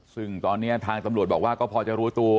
ซึ่งตอนนี้ทางตำรวจบอกว่าก็พอจะรู้ตัว